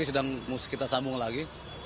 ini sedang kita sambung lagi